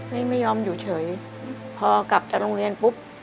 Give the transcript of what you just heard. นี่ไม่ยอมอยู่เฉยพอกลับจากโรงเรียนปุ๊บ